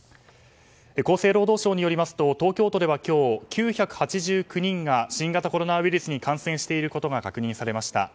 厚生労働省によりますと東京都では今日、９８９人が新型コロナウイルスに感染していることが確認されました。